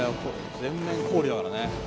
全面氷だからね」